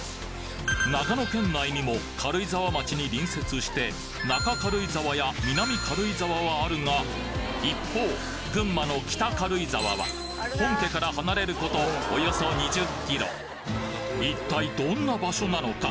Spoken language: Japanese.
長野県内にも軽井沢町に隣接して中軽井沢や南軽井沢はあるが一方群馬の北軽井沢は本家から離れることおよそ２０ｋｍ一体どんな場所なのか？